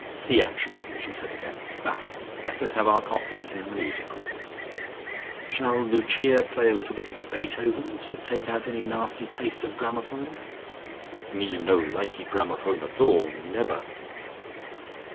"Theatrical," she said again. "Now let us have our coffee in the music room. Shall Lucia play a little bit of Beethoven to take out any nasty taste of gramophone? Me no likey gramophone at all. Nebber!"